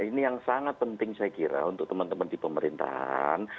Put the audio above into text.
ini yang sangat penting saya kira untuk teman teman di pemerintahan